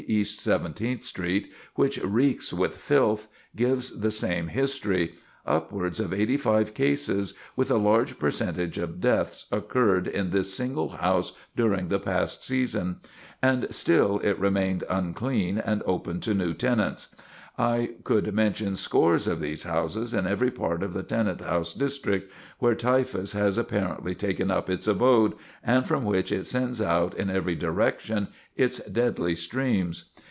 East Seventeenth Street, which reaks with filth, gives the same history; upward of 85 cases, with a large percentage of deaths, occurred in this single house during the past season. And still it remained unclean and open to new tenants. I could mention scores of these houses in every part of the tenant house district where typhus has apparently taken up its abode, and from whence it sends out in every direction its deadly streams.